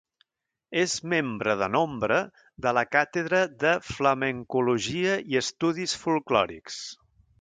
És membre de nombre de la Càtedra de Flamencologia i estudis folklòrics.